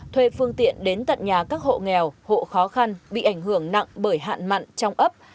thuê phương tiện đến tận nhà các hộ nghèo hộ khó khăn bị ảnh hưởng nặng bởi hạn mặn trong ấp